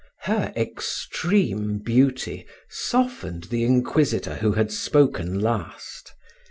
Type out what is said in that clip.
Her extreme beauty softened the inquisitor who had spoken last.